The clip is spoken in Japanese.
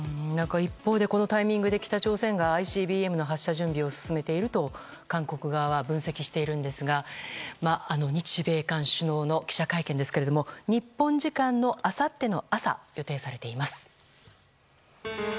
一方で、このタイミングで北朝鮮がＩＣＢＭの発射準備を進めていると韓国側は分析しているんですが日米韓首脳の記者会見ですがこの「ビアボール」ってなに？